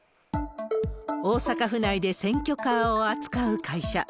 大阪府内で選挙カーを扱う会社。